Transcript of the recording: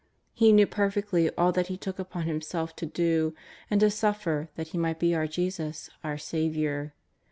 He knew perfectly all that He took upon Himself to do and to suffer that He might be our Jesus, our Saviour.